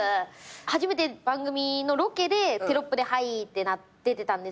初めて番組のロケでテロップで「はい」ってなって出たんですよ。